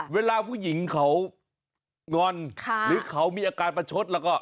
เวลาผู้หญิงเขางอนหรือเขามีอาการประชดแล้วก็